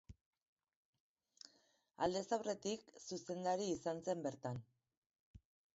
Aldez aurretik, zuzendari izan zen bertan.